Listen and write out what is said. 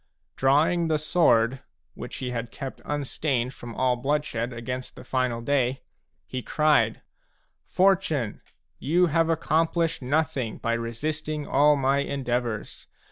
Drawing the sword, — which he had kept unstained from all bloodshed against the final day, — he cried :" Fortune, you have accomplished nothing by resisting all my endeavours.